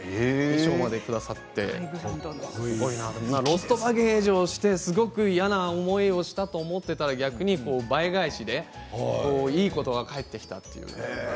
衣装までくださってロストバゲージをしてすごく嫌な思いをしたと思っていたら逆に倍返しでいいことが返ってきたという。